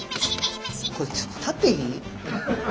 これちょっと立っていい？